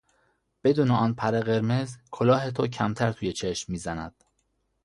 بدون آن پر قرمز، کلاه تو کمتر توی چشم میزند.